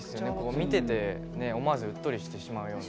見てて、思わずうっとりしてしまうような。